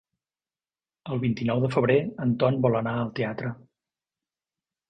El vint-i-nou de febrer en Ton vol anar al teatre.